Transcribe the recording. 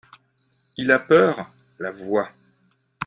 Il a peur ? LA VOIX.